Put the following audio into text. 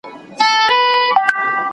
مغولي پاچا هغه ته پناه ورکړه.